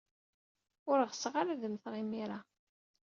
Ur ɣseɣ ara ad mmteɣ imir-a.